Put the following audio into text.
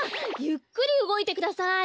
ゆっくりうごいてください！